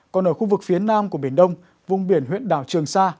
còn ở khu vực phía nam của biển đông vùng biển huyện đảo trường sa